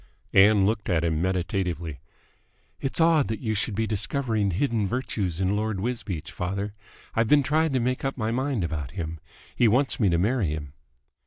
Ann looked at him meditatively. "It's odd that you should be discovering hidden virtues in Lord Wisbeach, father. I've been trying to make up my mind about him. He wants me to marry him."